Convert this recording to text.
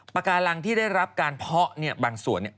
ปากการังที่ได้รับการเพาะเนี่ยบางส่วนเนี่ย